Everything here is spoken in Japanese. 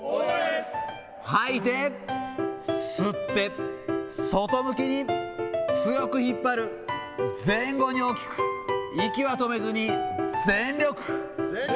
吐いて、吸って、外向きに、強く引っ張る、前後に大きく、息は止めずに全力。